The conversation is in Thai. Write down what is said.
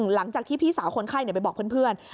หลังจากที่พี่สาวคนไข้ไปบอกเพื่อน